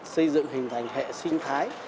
xây dựng hình thành hệ sinh thái